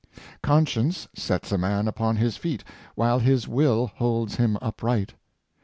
Conscience sets a man upon his feet, while his will holds him upright.